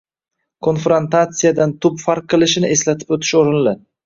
konfrantatsiyadan tubdan farq qilishini eslatib o‘tish o‘rinli: